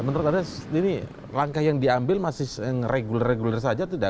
menurut anda ini langkah yang diambil masih yang reguler reguler saja tidak